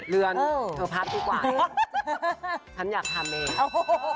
เรือนเธอพักดีกว่าฉันอยากทำเอง